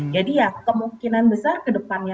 jadi ya kemungkinan besar ke depannya